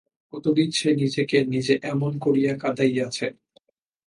কত দিন সে নিজেকে নিজে এমন করিয়া কাঁদাইয়াছে।